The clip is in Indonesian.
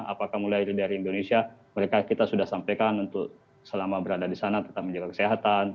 apakah mulai itu dari indonesia mereka kita sudah sampaikan untuk selama berada di sana tetap menjaga kesehatan